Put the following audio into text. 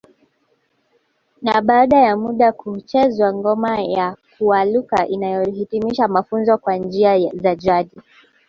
Na baada ya muda huchezewa ngoma ya kwaluka inayohitimisha mafunzo kwa njia za jadi